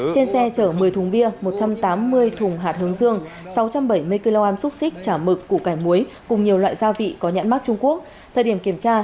trên xe chở một mươi thùng bia một trăm tám mươi thùng hạt hướng dương sáu trăm bảy mươi kg xúc xích chả mực củ cải muối cùng nhiều loại gia vị có nhãn mắc trung quốc